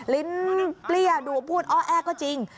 ลิ้นปลี้ดูเอาแอดก็จริง